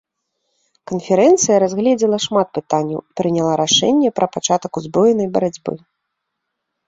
Канферэнцыя разгледзела шмат пытанняў і прыняла рашэнне пра пачатак узброенай барацьбы.